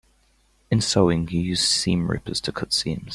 In sewing, you use seam rippers to cut seams.